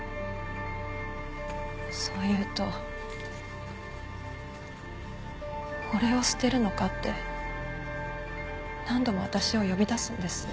そう言うと俺を捨てるのかって何度も私を呼び出すんです。